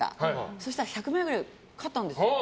そしたら１００万円ぐらい勝ったんです。